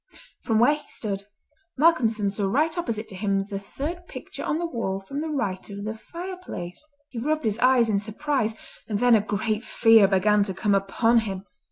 From where he stood, Malcolmson saw right opposite to him the third picture on the wall from the right of the fireplace. He rubbed his eyes in surprise, and then a great fear began to come upon him.